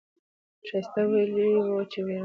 ښایسته ویلي وو چې ویره یې لرله.